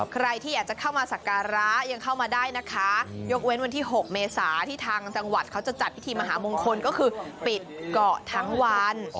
ใครที่อยากจะเข้ามาสักการะยังเข้ามาได้นะคะยกเว้นวันที่๖เมษาที่ทางจังหวัดเขาจะจัดพิธีมหามงคลก็คือปิดเกาะทั้งวัน